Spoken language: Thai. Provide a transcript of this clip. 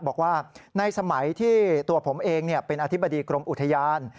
บอกว่าในสมัยที่ตัวผมเองเป็นอธิบดีกรมอุทยาน